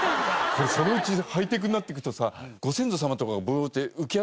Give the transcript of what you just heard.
これそのうちハイテクになっていくとさご先祖様とかがブーッって浮き上がりそうだよね。